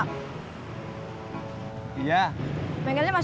mau ke bengkel ya